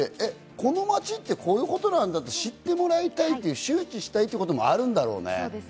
この町って、こういうことなんだ！って、知ってもらいたい、周知したいということもあるんだろうね。